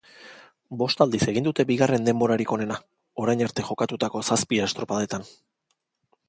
Bost aldiz egin dute bigarren denborarik onena, orain arte jokatutako zazpi estropadetan.